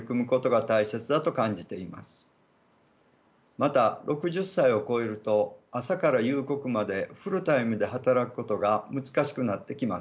また６０歳を超えると朝から夕刻までフルタイムで働くことが難しくなってきます。